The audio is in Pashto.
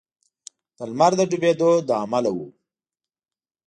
د لمر د ډبېدو له امله و.